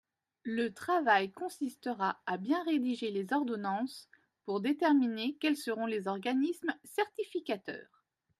Le travail consistera à bien rédiger les ordonnances pour déterminer quels seront les organismes certificateurs.